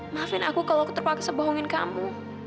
maafin aku kalau aku terpaksa bohongin kamu